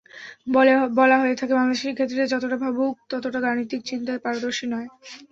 বলা হয়ে থাকে, বাংলাদেশি শিক্ষার্থীরা যতটা ভাবুক, ততটা গাণিতিক চিন্তায় পারদর্শী নয়।